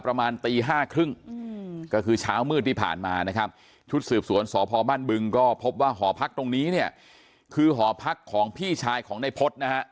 พอบ้านบึงก็พบว่าหอพักตรงนี้เนี่ยคือหอพักของพี่ชายของในพลตนะฮะ